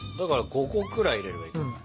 ５個くらい入れればいいかな。